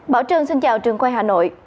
bảo trương xin chào trường quay hà nội